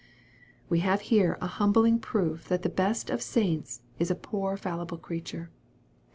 We have here a humbling proof that the best of saints is a poor fallible creature.